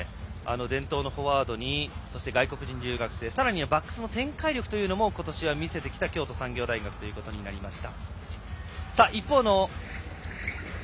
伝統のフォワードに外国人留学生さらにはバックスの展開力も今年は見せてきた京都産業大学ということになりました。